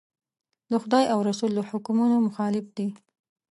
د خدای او رسول د حکمونو مخالف دي.